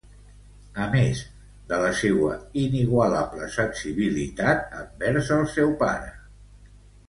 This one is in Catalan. A més de la seua inigualable sensibilitat envers el seu pare.